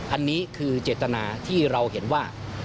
อันนี้คือเจตนาที่เราเห็นว่า